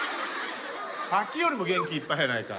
さっきよりも元気いっぱいやないか。